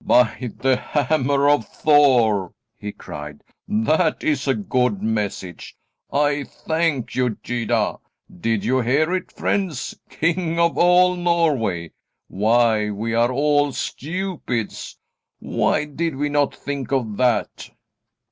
"By the hammer of Thor!" he cried, "that is a good message. I thank you, Gyda. Did you hear it, friends? King of all Norway! Why, we are all stupids. Why did we not think of that?"